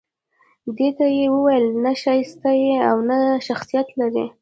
دې ته يې وويل نه ښايسته يې او نه شخصيت لرې